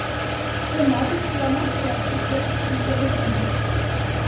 Aimable, la main sur la croupière, il se retournait.